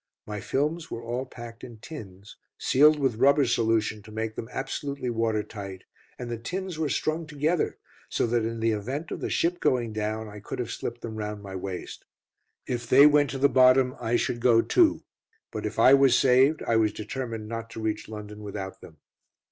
My films were all packed in tins, sealed with rubber solution to make them absolutely watertight, and the tins were strung together, so that in the event of the ship going down I could have slipped them round my waist. If they went to the bottom I should go too, but if I was saved I was determined not to reach London without them.